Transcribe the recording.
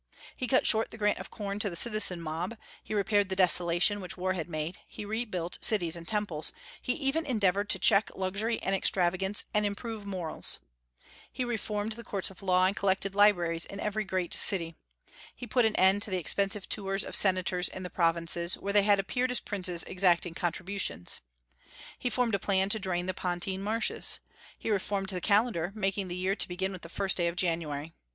He cut short the grant of corn to the citizen mob; he repaired the desolation which war had made; he rebuilt cities and temples; he even endeavored to check luxury and extravagance and improve morals. He reformed the courts of law, and collected libraries in every great city. He put an end to the expensive tours of senators in the provinces, where they had appeared as princes exacting contributions. He formed a plan to drain the Pontine Marshes. He reformed the calendar, making the year to begin with the first day of January.